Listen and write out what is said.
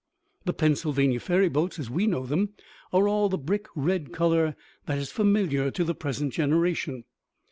The Pennsylvania ferryboats, as we know them, are all the brick red color that is familiar to the present generation.